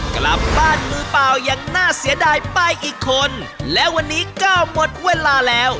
กลับบ้านมือเปล่าอย่างน่าเสียดายไปอีกคนและวันนี้ก็หมดเวลาแล้ว